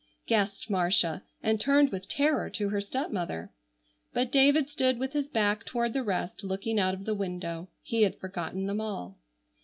gasped Marcia, and turned with terror to her stepmother. But David stood with his back toward the rest looking out of the window. He had forgotten them all.